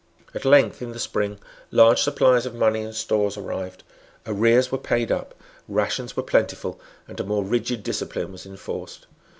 At length in the spring large supplies of money and stores arrived; arrears were paid up; rations were plentiful; and a more rigid discipline was enforced.